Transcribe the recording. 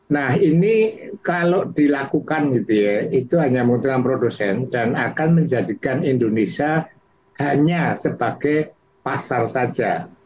nah ini kalau dilakukan gitu ya itu hanya menguntungkan produsen dan akan menjadikan indonesia hanya sebagai pasar saja